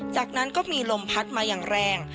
จากนั้นก็มีลมพัดมาอย่างแรง